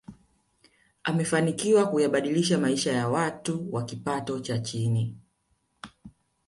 amefanikiwa kuyabadilisha maisha ya watu wa kipato cha chini